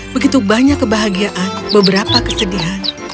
begitu banyak kebahagiaan beberapa kesedihan